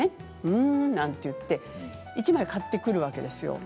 うーんなんて言って１枚、買ってくるわけですよ。